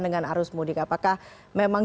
dengan arus mudik apakah memang